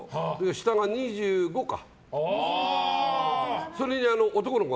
下が２５か。